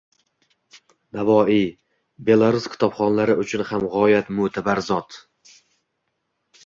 Navoiy - Belarus kitobxonlari uchun ham g‘oyat mo‘’tabar zotng